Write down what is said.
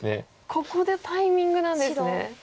ここでタイミングなんですね。